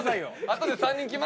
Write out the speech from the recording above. あとで３人。